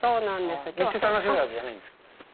３つ楽しめるわけじゃないんですか？